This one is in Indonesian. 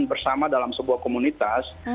bersama dalam sebuah komunitas